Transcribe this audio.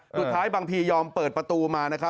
สุดท้ายบังพียอมเปิดประตูมา